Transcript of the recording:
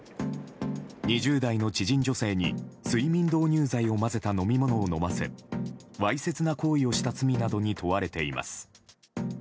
２０代の知人女性に睡眠導入剤を混ぜた飲み物を飲ませわいせつな行為をした罪などに問われています。